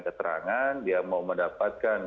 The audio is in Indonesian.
keterangan dia mau mendapatkan